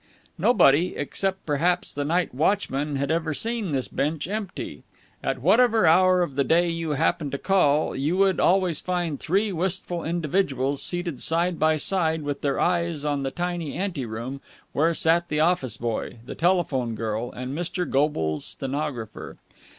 Nobody, except perhaps the night watchman, had ever seen this bench empty. At whatever hour of the day you happened to call, you would always find three wistful individuals seated side by side with their eyes on the tiny ante room where sat the office boy, the telephone girl, and Mr. Goble's stenographer.